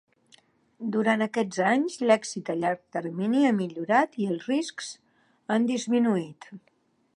Durant aquests anys, l'èxit a llarg termini ha millorat i els riscs han disminuït.